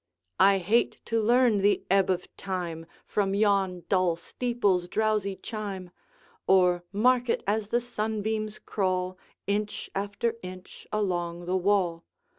I hate to learn the ebb of time From yon dull steeple's drowsy chime, Or mark it as the sunbeams crawl, Inch after inch, along the wall.